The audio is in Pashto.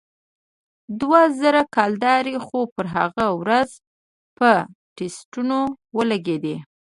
دوه زره کلدارې خو پر هغه ورځ په ټسټونو ولگېدې.